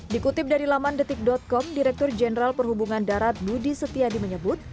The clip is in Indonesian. dikutip dari laman detik com direktur jenderal perhubungan darat budi setiadi menyebut